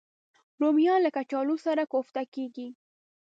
رومیان له کچالو سره کوفته کېږي